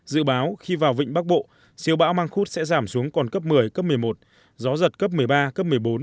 dự báo khi vào vịnh bắc bộ siêu bão mang khúc sẽ giảm xuống còn cấp một mươi cấp một mươi một gió giật cấp một mươi ba cấp một mươi bốn